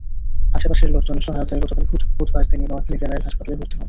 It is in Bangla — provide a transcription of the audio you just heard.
আশপাশের লোকজনের সহায়তায় গতকাল বুধবার তিনি নোয়াখালী জেনারেল হাসপাতালে ভর্তি হন।